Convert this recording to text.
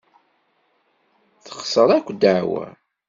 Texṣer akk ddeɛwa.